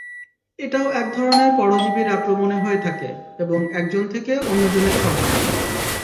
এটাও একধরনের পরজীবীর আক্রমণে হয়ে থাকে এবং একজন থেকে অন্যজনে ছড়ায়।